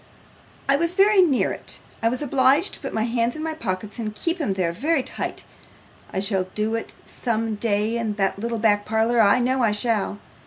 'I was very near it. I was obliged to put my hands in my pockets, and keep 'em there very tight. I shall do it some day in that little back parlour, I know I shall.